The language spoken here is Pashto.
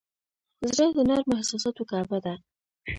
زړه د نرمو احساساتو کعبه ده.